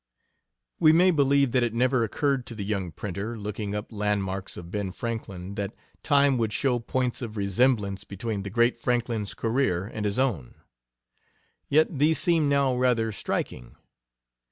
We may believe that it never occurred to the young printer, looking up landmarks of Ben Franklin, that time would show points of resemblance between the great Franklin's career and his own. Yet these seem now rather striking.